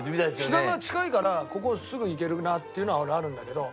品川近いからここすぐ行けるなっていうのは俺あるんだけど。